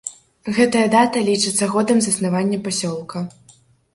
Гэтая дата лічыцца годам заснавання пасёлка.